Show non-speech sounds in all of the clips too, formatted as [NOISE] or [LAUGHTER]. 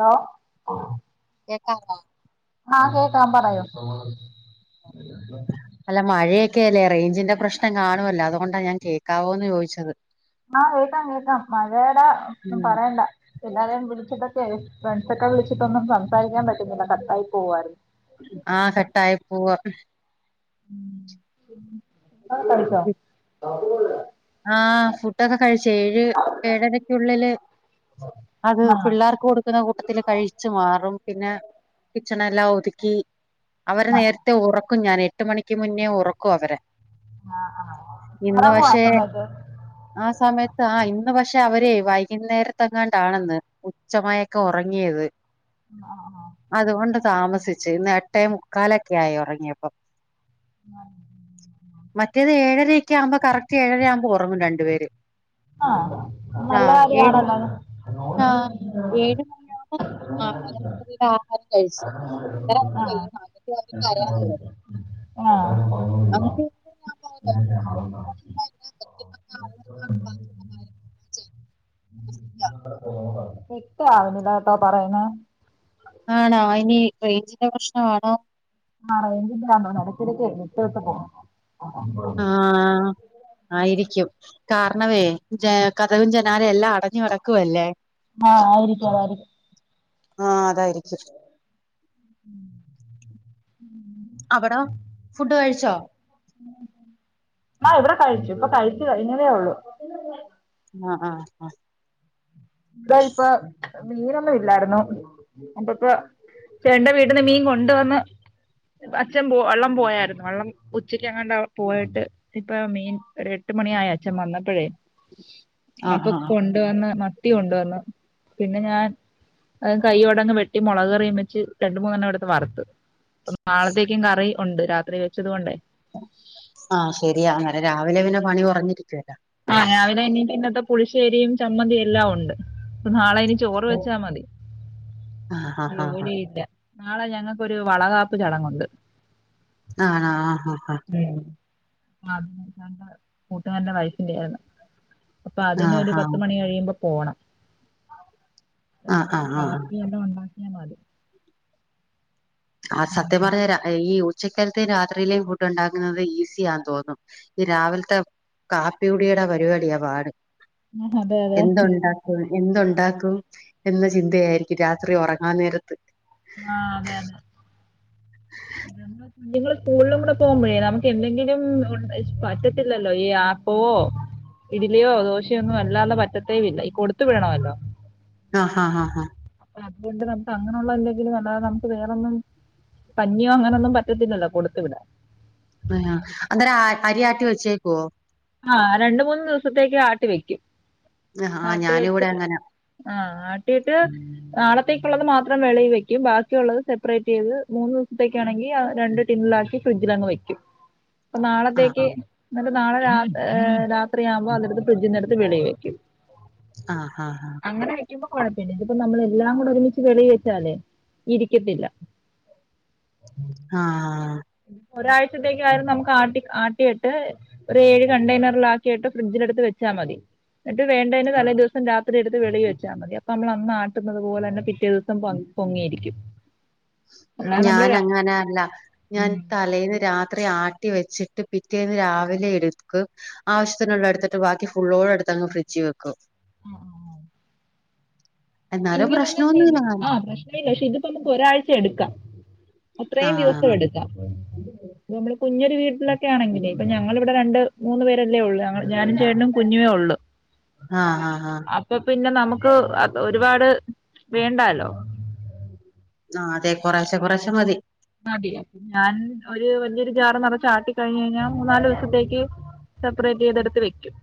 Hello കേക്കാവോ? ആഹ് കേക്കാം പറയൂ. അല്ല മഴയക്കെ അല്ലേ. റേഞ്ചിന്റെ പ്രശ്നം കാണുവല്ലോ. അതുകൊണ്ടാ ഞാൻ കേൾക്കാവോ എന്ന് ചോദിച്ചത്. ആഹ് കേൾക്കാം കേൾക്കാം. മഴേട ഒന്നും പറയണ്ട. ആരെയും വിളിച്ചിട്ടൊക്കെ, ഫ്രണ്ട്സ ഒക്കെ വിളിച്ചിട്ടൊന്നും സംസാരിക്കാൻ പറ്റുന്നില്ല. കട്ടായി പോവായിരുന്നു. [UNINTELLIGIBLE] ആ കട്ടായി പോവ. ആ കഴിച്ച. ആ ആ ഫുട്ടൊക്കെ കഴിച്. ഏഴ് ഏഴരക്കുള്ളില്. അത് ആഹ് പിള്ളേർക്ക് കൊടുക്കുന്ന കൂട്ടത്തില് കഴിച്ചു മാറും. പിന്നെ, കിച്ചണെല്ലാം ഒതുക്കി, അവര് ആഹ് നേരത്തെ ഉറക്കും ഞാന്. എട്ട് മണിക്ക് മുന്നേ ഉറക്കും അവരെ. ആഹ ആ. ഇന്ന് ഉറങ്ങോ ആ പക്ഷെ സമയത്ത്. ആ സമയത്ത് ആ ഇന്ന് പക്ഷെ അവരെ, വൈകുന്നേരത്തെ ങ്ങണ്ടാണെന്ന്, ഉച്ചമയക്കം ഉറങ്ങിയത്. ഉം ആഹ ആഹ. അതുകൊണ്ട് താമസിച്ച്. ഇന്ന് എട്ടേ മുക്കാലൊക്കെ ആയി ഉറങ്ങിയപ്പം. [INAUDIBLE] മറ്റേത് ഏഴരക്കെ ആകുമ്പോൾ, കറക്റ്റ് ഏഴര ആവുമ്പോൾ ഉറങ്ങും രണ്ട്‌ പേര്. അ നല്ല കാര്യ ആണല്ലത്. ആഹ് ഏഴ് മണിയാവുമ്പോ ആഹ് രാത്രിയിലെ ആഹാരം കഴിച്ച് അന്നേരം അവർക്ക് വേണം എന്നിട്ട് അവര് കരയാൻ തുടങ്ങും ആ എന്നിട്ട് ഏഴരയാവുമ്പോ അവര് ഉറങ്ങും. [INAUDIBLE] [UNINTELLIGIBLE] ക്ലിക്ക് ആവുന്നില്ലാട്ടോ പറയണെ. ആണോ ഇനി റേഞ്ചിന്റെ പ്രശ്നമാണോ? ആ റേഞ്ച് ഇല്ലാന്ന് തോന്നണ്. ഇടകെടയ്ക്കു വിട്ട് വിട്ട് പോവുന്നു. [INAUDIBLE] ആ ആയിരിക്കും. കാരണവേ ജ കഥകും ജനാലെ എല്ലാം അടഞ്ഞു കിടക്കുവല്ലേ. ആഹ് ആയിരിക്കാം, ആയിരിക്കാം. ആഹ് അതായിരിക്കും. അവിട ഫുഡ് കഴിച്ചോ? ആ ഇവിടെ കഴിച്ചു. ഇവിടെ കഴിച്ചു കഴിഞ്ഞതേ ഉള്ളു. ആ ആഹ ഹ. [UNINTELLIGIBLE] ഇപ്പൊ മീനൊന്നും ഇല്ലായിരുന്നു. അണ്ട്ട് ഇപ്പ ചേട്ടന്റാ വീട്ടീന്ന് മീൻ കൊണ്ടു വന്ന്. അച്ഛൻ പോ വള്ളം പോയായിരുന്നു. വള്ളം ഉച്ചയ്ക്ക് അങ്ങാണ്ട പോയിട്ട് ഇപ്പ മീൻ ഒരു എട്ട് മണിയായ അച്ഛൻ വന്നപ്പോഴേ അപ്പൊ ആഹ് ആഹ് കൊണ്ടുവന്ന് മത്തി കൊണ്ടുവന്ന് പിന്നെ ഞാൻ അഹ് കൈയോടങ്ങ് വെട്ടി മുളകറിയും വിച്ച് രണ്ടണ്ട് മൂന്നെണ്ണംടുത്ത് വറത്ത് നാളത്തേക്കും കറി ഉണ്ട് രാത്രി വെച്ചത് കൊണ്ടേ ആഹ് ശരിയാ അന്നേരം രാവിലെ പിന്നെ പണി കുറഞ്ഞിരിക്കുവല്ലോ ആഹ് രാവിലെ എനി ഇന്നത്തെ പുളിശ്ശേരിയും ചമ്മന്തിയും എല്ലാം ഉണ്ട് നാളെ എനി ചോറ് വെച്ചാ മതി ആഹ് ഹാ ഹാ ഹാ ജോലില്ല നാളെ ഞങ്ങൾക്കൊരു വളകാപ്പ് ചടങ്ങുണ്ട് ആണോ ആഹ് ആഹ് ആഹ് [UNINTELLIGIBLE] കൂട്ടുകാരന്റെ വൈഫിന്റെ ആയിരുന്നു അപ്പൊ ഹാ അതിന ആഹ് ഒരു ഹാ പത്ത് മണി കഴിയുമ്പോ പോകണം ആഹ് രാവിലത്തെ ആഹ് ആഹ് കാപ്പി എല്ലാം ഉണ്ടാക്കിയാൽ മതി ആഹ് സത്യം പറഞ്ഞു രാ ഈ ഉച്ചക്കാത്തെ രാത്രിയിലേും ഫുഡ് ഉണ്ടാക്കുന്നത് ഈസിയെന്ന് തോന്നും ഈ രാവിലത്തെ കാപ്പി കുടിയുടെ പരിപാടിയാ പാട് അതെ അതെ എന്തുണ്ട എന്തു ഉണ്ടാക്കും എന്ന ചിന്തയായിരിക്കും രാത്രി ഉറങ്ങാൻ നേരത്ത് ആഹ് അതെ അതെ [INAUDIBLE] നിങ്ങളൾ സ്കൂളിലും കൂടെ പോകുമ്പോഴേ നമുക്ക് എന്തെങ്കിലും പറ്റത്തില്ലല്ലോ ഈ ആപ്പോവോ ഇഡലിയോ ദോശയോ ഒന്നും അല്ലാതെ പറ്റത്തേ ഇല്ല ഈ കൊടുത്ത് വിടണമല്ലോ ആഹ് ആഹ് ആഹ് അപ്പൊ അതുകൊണ്ട് നമുക്ക് അങ്ങനെയുള്ള എല്ലെങ്കിലും അല്ലാതെ നമുക്ക് വേറൊന്നും കഞ്ഞിയോ അങ്ങനെ ഒന്നും പറ്റത്തില്ലോ കൊടുത്തുവിട ആഹ് അന്തേരം അരിയാട്ടി വെച്ചേക്കുവോ ആഹ് രണ്ട മൂന്ന് ദിവസത്തേക്ക് ആട്ടി വെക്കും ആഹ് ആട്ടി ഞാനും കൂടെ വെച്ചിട്ട് അങ്ങനെ ആഹ് ആട്ടിട്ട് നാളത്തേക്കുള്ളത് മാത്രം വെളയിൽ വെക്കും ബാക്കിയുള്ളത് സെപ്പറേറ്റ് ചെയ്ത് മൂന്ന് ദിവസത്തേക്കാണെങ്കിൽ രണ്ട ണ്ട് ടിന്നിനാതാന്നാക്കി ഫ്രിഡ്ജിൽ അന്ന് വെക്കും ആഹ് ആഹ് നാളത്തേക്ക് നാളെ ഏഹ രാത്രിയാകുമ്പോൾ അടുത്ത് ഫ്രിഡ്ജിന്റെടുത്ത് വെളി വെക്കും ആഹ ആഹ ആഹ അങ്ങനെ വെക്കുമ്പോ കൊഴപ്പല്ല ഇതിപ്പോ നമ്മള എല്ലാം കൂടെ ഒരുമിച്ച് വെളി വെച്ചാലേ ഇരിക്കത്തില്ല [INAUDIBLE] ആഹ് ഒരാഴ്ചത്തേക്കായിരുന്നു നമുക്ക് ആട്ടി ആട്ടിട്ട് ഒരു ഏഴ് കണ്ടെയ്നറൽ ആക്കിയിട്ട് ഫ്രിഡ്ജില് എടുത്ത് വെച്ചാൽ മതി എന്നട്ട് വേണ്ടതിന് തലേ ദിവസം രാത്രി എടുത്ത് വെളി വച്ചാൽ മതി അപ്പൊ നമ്മൾ അന്നാട്ടുന്നത് പോലെന്നെ പിറ്റേ ദിവസം പൊങ്ങിയിരിക്കും അല്ലാതെ നമ്മള് ഞാൻ ര- അങ്ങനെ അല്ല ഞാൻ ഉം. തലേന്ന് രാത്രി ആട്ടി ട്ടി വെച്ചിട്ട് പിറ്റേന്ന് രാവിലെ എടുക്കും ആവശ്യത്തിനുള്ള എടുത്തിട്ട് ബാക്കി ഫുള്ളോടെ അടുത്ത് അങ് ഫ്രിഡ്ജ് വെക്കും ആഹ് ആഹ് ആഹ് എന്നാലും ഇങ്ങനൊന്ന ചെയ് പ്രശ്നമൊന്നുമില്ല ആഹ് പ്രശ്ന ഇല്ലക്ഷ് ഇത് ഇപ്പ നമുക്ക് ഒരാഴ്ച എടുക്കാം അത്രയും ദിവസം ആഹ് എടുക്കാം ഇപ്പ നമ്മള് കുഞ്ഞൊരു വീട്ടിലൊക്കെ ആണെങ്കേ ഇപ്പൊ ഞങ്ങളിവിടെ രണ്ട് മൂന്ന് പേരല്ലേ ഉള്ളൂ ഞാനും ചേട്ടനും കുഞ്ഞു ഉള്ളൂ [INAUDIBLE] ആഹ് ആഹ് ആഹ് അപ്പൊ പിന്നെ നമുക്ക് അത് ഒരുപാട് വേണ്ടാലോ ആഹ് അതെ കുറശെ കുറശെ മതി മതിയോ ഞാൻ ഒരു വലിയൊരു ജാർ നിറച്ചാട്ടി കഴിഞ്ഞ് കഴിഞ്ഞാൽ മൂന്നാല് ദിവസത്തേക്ക് സെപ്പറേറ്റ് ചെയ്തെടുത്ത് വെക്കും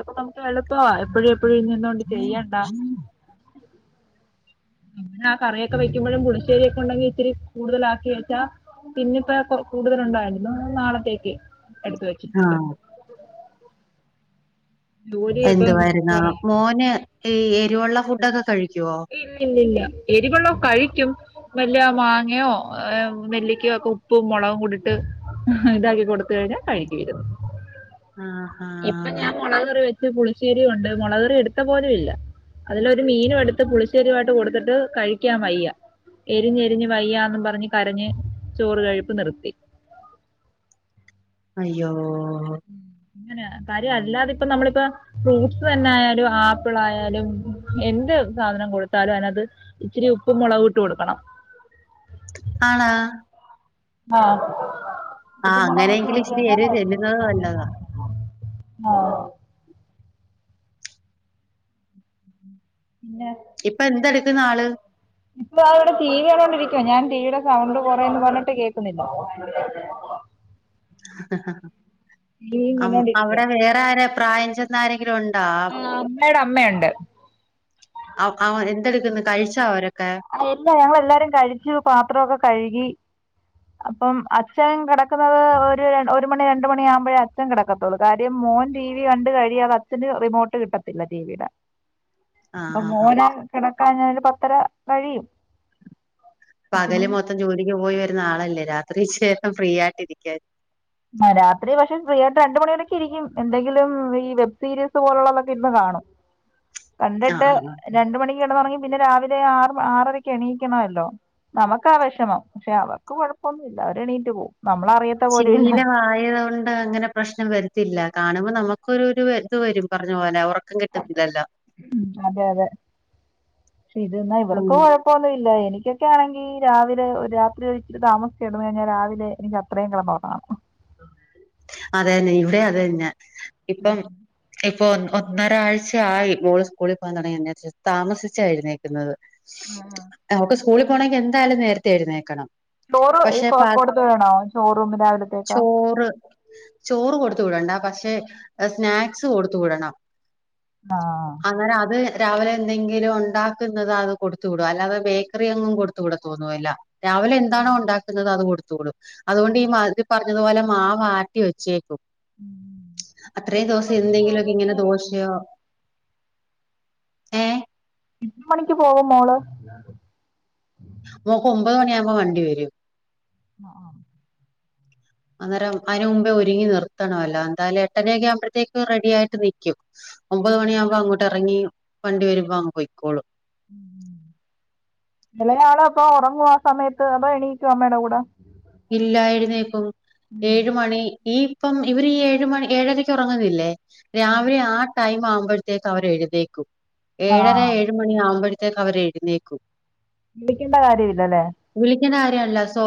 അപ്പൊ നമുക്ക് എളുപ്പവ എപ്പോഴും എപ്പോഴും എന്തോണ്ട് ചെയ്യണ്ട ന്നാ ആ കറിയൊക്കെ വെക്കുമ്പോഴും പുളശ്ശേരി ഒക്കെ ഉണ്ടെങ്കിൽ ഇത്തിരി കൂടുതലാക്കി വെച്ചാ പിന്നിപ്പോ കൂടുതൽ ഉണ്ടായിരുന്നു നാളത്തേക്ക് എടുത്ത വെച്ചിട്ടുണ്ട് ആഹ് ജോലിയൊക്കെ എന്തുവായിരുന്നോ കുറയും മോന് ഈ എരിവുള്ള ഫുഡൊക്കെ കഴിക്കുവോ ഇല്ല ഇല്ല എരിവെള്ളോ കഴിക്കും മെല്ലിയ മാങ്ങയോ നെല്ലിക്കോ ഒക്കെ ഉപ്പും മുളകും കുട്ടിട്ട് ഇതാക്കി കൊടുത്ത കഴിഞ്ഞാൽ കഴികിയിരുന്നു ആ ആ ആഹാ മുളകറി വെച്ച് പുളിശ്ശേരി കൊണ്ട് മുളകറി എടുത്ത പോലും ഇല്ല അതിലൊരു മീനും എടു ത്ത് പുളിശ്ശേരിമായിട്ട് കൊടുത്തിട്ട് കഴിക്കാൻ വയ്യ എരിഞ്ഞ് എരിഞ്ഞ് വയ്യാന്ന് പറഞ്ഞ് കരഞ്ഞ് ചോറ്കഴിപ്പ് നിർത്തി അയ്യോ അങ്ങനെ കാര്യം അല്ലാതെ ഇപ്പൊ നമ്മളിപ്പോ ഫ്രൂട്ട്സ് തന്നെ ആയാലും ആപ്പിൾ ആയാലും എന്ത് സാധനം കൊടുത്താലും അയിന്അത് ഇത്തിരി ഉപ്പ് മുളക് ഇട്ട് കൊടുക്കണം ആണോ ആഹ് ആഹ് ഉപ്പും മുളകും ഇട്ട് അങ്ങനെയെങ്കിൽ കൊടുത്താൽ ഇച്ചിരി കഴിഞ്ഞാൽ എരിവ് കഴിക്കും ചെല്ലുന്നത് നല്ലതാ ആഹ് പിന്നെ ഇപ്പൊ എന്ത് എടുക്കുന്നു ആള് ഉം ഇ ഇവിടെ ടി വി കണ്ട് കൊണ്ടിരിക്കുവോ ഞാൻ ടിവിയുടെ സൗണ്ട് കുറേന്ന് പറഞ്ഞിട്ട് കേൾക്കുന്നില്ല [UNINTELLIGIBLE] ടിവിയും കണ്ടോണ്ടിരിക്കുക അവിടെ വേറെ ആരെ പ്രായംചെന്ന ആരെങ്കിലും ഉണ്ടോ ആ അമ്മയുടെ അമ്മയുണ്ട് അവ എന്തെടുക്കന്ന് കഴിചോ അവരൊക്കെ എല്ലാ ഞങ്ങൾ എല്ലാരും കഴിച്ചു പാത്രമൊക്കെ കഴുകി അപ്പം അച്ഛൻ കിടക്കുന്നത് ഒരു ഒരു മണി രണ്ട് മണിയ ആകുമ്പോഴേ അച്ഛൻ കിടക്കു ള്ളൂ കാര്യം മോൻ ടി വി കണ്ട് കഴിയാ അത് അച്ഛന് റിമോട്ട് കിട്ടത്തില്ല ടിവിയുടെ ആഹ് ആഹ് ആഹ് മോന് കിടക്കാൻ ഒരു പത്രര കഴിയും പിന്നെ പകല് മൊത്തം ജോലിക്ക് പോയി വരുന്ന ആളല്ലേ രാത്രി ശേഷം ഫ്രീ ആയിട്ടിരികാരിക്കും രാത്രി പക്ഷെ ഫ്രീയായിട്ട് രണ്ട് മണിയൊക്കെ ഇരിക്കും എന്തെങ്കിലും ഈ വെബ് സീരീസ് പോലുള്ളതൊക്കെ ഇരുന്ന് കാണും ആഹ് കണ്ടിട്ട് ആഹ് ആഹ് രണ്ട് മണിക്ക് കിടന്നുറങ്ങി പിന്നെ രാവിലെ ആ ആറരക്ക് എണീക്കണമല്ലോ നമ്മക്ക വേഷമം പക്ഷെ അവർക്ക് കൊഴപ്പമൊന്നും ഇല്ല അവര് എണീറ്റ് പോകും നമ്മൾ അറിയ ശീലമായതുകൊണ്ട് അങ്ങനെ പ്രശ്നം വരിത്തില്ല കാണുമ്പോൾ നമുക്കൊ ഒരു ഇത് വരും പറഞ്ഞ പോലെ അതെ കിട്ടുന്നില്ലല്ലോ അതെ അതെ ശ് ഇത് ന്നാ ഉം ഇവർകൊഴ പ്പൊന്നും ഇല്ല എനിക്കൊക്കെ ആണെങ്കിൽ രാവിലെ രാത്രി ഒഴിച്ച് താമസിച്ച് കിടന്നാൽ കഴിഞ്ഞാൽ രാവിലെ എനിക്ക് ഇത്രയും കളം അവാണ് അതെന്നെ ഇവിടെ അതെ തന്നെ ഇപ്പം ഇപ്പൊ ഒന്നരാഴ്ചയായി മോള് സ്കൂളിൽ പോകൻ തുടങ്ങി താമസിച്ചായിരുന്നേ നമുക്ക് സ്കൂളിൽ പോണെങ്കിൽ എന്തായാലും നേരത്തെ എഴുന്നേക്കണം ചോർ ഈ പക്ഷെ കൊടുത്ത വേണോ ഷോറൂമിൽവലത്തേക്കാ ഓർ ചോറ് കൊടുത്ത വിടണ്ട പക്ഷേ സ്നാക്സ് കൊടുത്തു വിടണം ആഹാ അങ്ങനെ അത് രാവിലെ എന്തെങ്കിലും ഉണ്ടാക്കുന്നത് അത് കൊടുത്ത് വിടും അല്ലാതെ ബേക്കറി അങ്ങും കൊടുത്തുവിടതൊന്നും ഇല്ല രാവിലെ എന്താണോ ഉണ്ടാക്കുന്നത് അത് കൊടുത്തുകൂടും അതുകൊണ്ട് ഈ ആഹ് മരി പറഞ്ഞതുപോലെ മാവാ വെച്ചേക്കും അത്രേ എത്ര ദിവസം മണിക്ക് എന്തെങ്കിലുമൊക്കെ പോകും ഇങ്ങനെ മോള് ദോശയോ ഏ ഇത്ര മണിക്ക് പോകും മോള് മോക്ക് ഒമ്പത് മണിയാവകുമ്പോ വണ്ടി വരും ആഹ് ആഹ് അന്നേരം അന് മുമ്പേ ഒരുങ്ങി നിർത്തണമല്ലോ എന്താലും എട്ടണെയ ഒക്കെ ആവുമ്പഴേക്ക് റെഡിയായിട്ട് ന ഒമ്പത് ആഹ് മണിയാകുമ്പോ അങ്ങോട്ട് ഇറങ്ങി വണ്ടി വരുമ്പോ അങ്ങ് പോക്കോളൂ ഇളയാള അപ്പ ഉറങ്ങുവ ആ സമയത്ത് അത എണീക്കുവാ മേട കൂടെ ഇല്ലായിരുന്നേക്കും ഏഴ മണി ഈ ഇപ്പം ഇവര് ഈ ഏഴ മണി ഏഴരക്ക് ഉറങ്ങുന്നില്ലേ രാവിലെ ആഹ് ടൈം ആവുമ്പോഴത്തേക്ക് അവർ എഴുതേക്കും ആഹ് ഏഴരഴു മ മണിയ ആഖുമ്പഴത്തേ അവരെഴുന്നേക്കും വിളിക്കേണ്ട കാര്യ ഇല്ലല്ലേ വിളിക്കണ്ട കാര്യല്ല സോ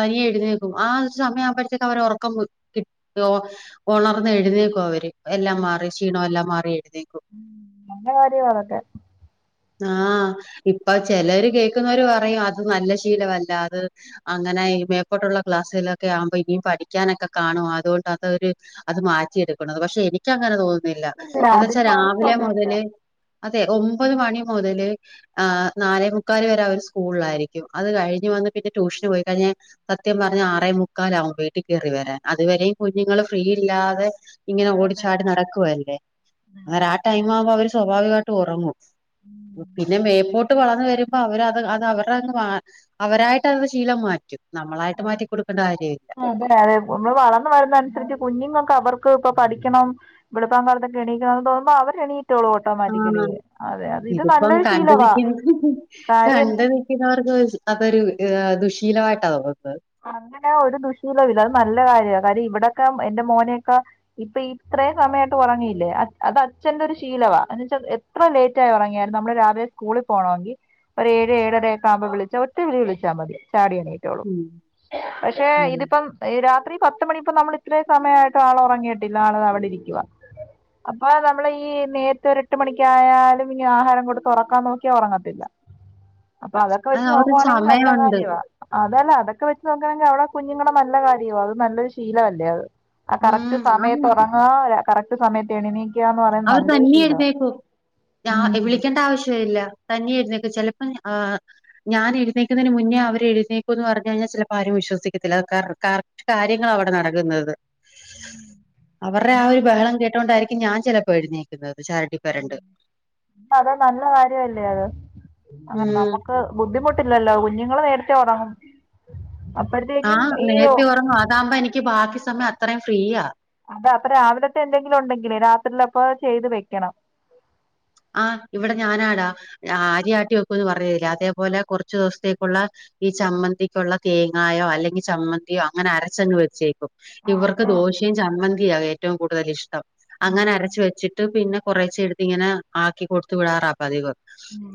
തനിയെ എഴുുന്നേക്കും ആ ഒരു സമയ ആവുമ്പോഴത്തേക്കക്ക് അവരെ ഉറക്കം കിട്ട ഉണർന്ന് എഴുന്നേക്കും അവര് എല്ലാം മാറി ക്ഷീണമ എല്ലാം മാറി എഴുന്നേക്കും ഉം നല്ല വാര്യ വതൊക്കെ ആഹ് ഇപ്പൊ ചിലര് കേക്കുന്നവര് പറയും അത് നല്ല ശീലമല്ല അത് അങ്ങനെ മേപ്പെട്ടുള്ള ക്ലാസ്സുകളിലൊക്കെ ആവുമ്പോ ഇനിയും പഠിക്കാനൊക്കെ കാണും അതുകൊണ്ട് അതൊരു അത് മാറ്റിയെടുക്കുന്നത് പക്ഷെ എനിക്ക് അങ്ങനെ തോന്നുന്നില്ല ഇല്ല എന്ന വച്ചാൽ അതിന്റെ രാവിലെ ആവശ്യമൊന്നുമില്ല മുതല് അതെ ഒമ്പത് മണി മുതല് ആഹ് നാലേമുക്കാൽ വരെ ഒരു സ്കൂളിലായിരിക്കും അത് കഴിഞ്ഞഞ് വന്ന് പിന്നെ ട്യൂഷന് പോയി കഴിഞ്ഞഞ് സത്യം പറഞ്ഞഞ് ആറേ മുക്കാല ആവും വീട്ടിൽ കയറി വരാൻ അതുവരെയും കുഞ്ഞുങ്ങൾ ഫ്രീയില്ലാതെ ഇങ്ങനെ അതെ അതെ ഓടിച്ചാടി നടക്കുവല്ലേ അങ്ങനെ ആ ടൈം ആവുമ്പോ അവര് സ്വാഭാവികമായിട്ട് ഉറങ്ങും ഉം പിന്നെ മേപ്പോോട്ട് വളർന്ന വരുമ്പോ അവരത് അത് അവരുടെ അങ്ങ് അവരായിട്ട് അ ശീലം മാറ്റി റ്റും നമ്മളായിട്ട് മാറ്റി കൊടുക്കേണ്ട കാര്യമ ഇല്ല അഹ് അതെ ഉമ്മൾ വളർന്നന്ന് വരുന്നതനുസരിച്ച് കുഞ്ഞുങ്ങൾക്ക് അവർക്ക് ഇപ്പൊ പഠിക്കണം വളപ്പം കാലത്ത്ക്ക എണിക്കണന്ന് തോന്ന്പോ അവ എണീട്ടളോട്ടെ ആഹ് ഓട്ടോമാറ്റിക്കലി അതെ അ ഇത് ഇതിപ്പം നല്ലൊരു കണ്ടു ശീലവാ കാര്യ വർക്ക് അതൊരു ദുശീലമായിട്ടാ നോന്നുന്നത് അങ്ങനെ ഒരു ദുശീല ഇല്ല അത് നല്ല കാര്യമാണ് കാര് ഇവിടെൊക്കെ എന്റെ മോനെയൊക്കെ ഇപ്പൊ ഇത്രയും സമയമായിട്ട് ഉറങ്ങിയില്ലേ അത് അച്ഛന്റെ ഒരു ശീലവാ എന്ന വെച്ചാ എത്ര ലേറ്റ ആയി ഉറങ്ങിയായിരുന്നു നമ്മള് രാവിലെ സ്കൂളിൽ പോകണമെങ്കിൽ ഒ ഏഴ് ഏഴരക്ക ആഉമ്പോ വിളിച്ച ഒരി വിടി വിളിച്ചാൽ മതി ചാടിയണീട്ട ഉം പക്ഷെ അതെ ഇതിപ്പം രാത്രി പത്ത മണി ഇപ്പോ നമ്മൾ ഇത്രേ സമയമായിട്ട് ആൾ ഉറങ്ങിയിട്ടില്ല ആള് അവിടെ ഇരിക്കുവ അപ്പൊ നമ്മൾ ഈ നേരത്തെ ഒരു എട്ട് മണിക്കായാലും ഇനി ആഹാരം കൊടുത്ത് ഉറക്കാൻ നോക്കിയാ ഉറങ്ങത്തില്ല അപ്പൊ അതൊക്കെ അത് വെച്ച് അവർക്ക് നോക്കുവാണെങ്കി നല്ല സമയമുണ്ട് കാര്യവാ അതല്ല അതൊക്കെ വെച്ച് നോക്കണെങ്കിൽ അവിടെ കുഞ്ഞുങ്ങളടെ നല്ല കാര്യവും അത് നല്ലൊ ശീലമല്ലേ അത് ആഹ് കറക്റ്റ് ഉം അത് സമയത്ത് ഉറങ്ങാ കറക്റ്റ് സമയത്ത് എണിനീ അവർ തന്നെയായിരുന്നേ പോ ഞ വിളിക്കേണ്ട ആവശ്യ ഇല്ല താനിയെ നിക്കച്ചല്ലപ്പ ആഹ് ഞാൻ എഴുന്നേക്കതിന് മുന്നേ അവരെഴുന്നേക്കു എന്ന് പറഞ്ഞ കഴിഞ്ഞാൽ ചിലപ്പോ ആരും വിസിക്കല്ല കാര്യങ്ങളാ അവിടെ നടക്കുന്നത് അവരുടെ ആ ഒരു ബഹളം കേട്ടോണ്ടായിരിക്കും ഞാൻ ചിലപ്പോ എഴുന്നേക്കുന്നത് ശാരട്ടി അത് നല്ല കാര്യല്ലേ അത് അങ്ങനെ ഉം നമുക്ക് ബുദ്ധിമുട്ടില്ലല്ലോ കുഞ്ഞുങ്ങള് നേരത്തെ ഉടങ്ങാം ആഹ് നേരത്തെ ഉറങ്ങു അതാകുമ്പോ എനിക്ക് ബാക്കി സമയം അത്രയും ഫ്രീയാ അതാ അപ്പൊ രാവിലത്തെ എന്തെങ്കിലും ഉണ്ടെങ്കിലേ രാത്രിയിലപ്പ ചെയ്ത് വെക്കണം ആഹ് ഇവിടെ ഞാനാടാ. ആഹ് അര്യാട്ടി വെക്കുംന്ന് പറഞ്ഞിര്ന്നില്ലെ അതേപോലെ കുറച്ചു ദിവസത്തേക്കുള്ള ഈ ചമ്മന്തിക്കുള്ള തേങ്ങായോ അല്ലെങ്കി ചമ്മന്തിയോ അങ്ങനെ അരച്ചങ് വെച്ചേക്കും ആ ഇവർക്ക് അതാ ദോശയും ചമ്മന്തിയാ ഏറ്റവും കൂടുതൽ ഇഷ്ടം. അങ്ങനെ ഉം അരച്ച് വെച്ചി ട്ട് പിന്നെ കൊറേച്ചെഎടുത്തിങ്ങനെ ആക്കി കൊടുത്ത് വിടാറാ പതിവ് ഉം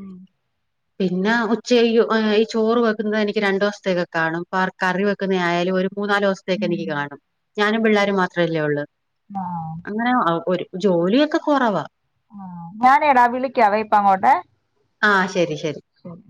പിന്നെ ഉച്ചയ്ക് ഈ ചോറ് വെക്കുന്നത് എനിക്ക് രണ്ടൊസത്തേക്കൊക്കെ കാണും. പാർ കറി വെ ക്കുന്ന ആയാലും ഒരു മൂന്നാല് ദുവസത്തേക്ക് എനിക്ക് കാണും. ഞാനും ഉം പിള്ളേരും മാത്രമല്ലേ ഒള്ളു ആ അങ്ങനെ അഹ് ഒരു ജോലിയൊക്കെ കൊറവാ ആഹ് ഞാനേടാ വിളിക്കാ വയപ്പാ അങ്ങോട്ട് ആഹ് ശരി ശരി ഉം ഉം